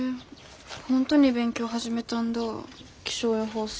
本当に勉強始めたんだ気象予報士。